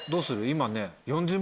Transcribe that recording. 今ね。